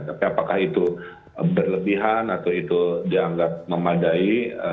tapi apakah itu berlebihan atau itu dianggap memadai